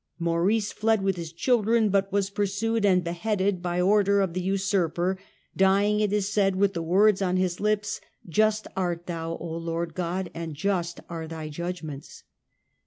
Maurice fled with his children, but was pursued and beheaded by order of the usurper, dying, it is said, with the words on his lips, " Just art Thou, O Lord God, and just are Thy judg ments